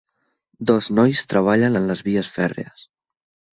Dos nois treballen en les vies fèrries.